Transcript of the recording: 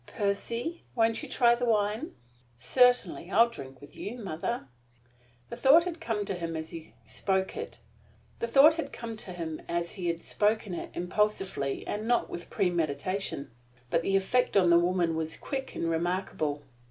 "Percy, won't you try the wine?" "Certainly. I'll drink with you, mother." The thought had come to him as he had spoken it, impulsively and not with premeditation, but the effect on the woman was quick and remarkable.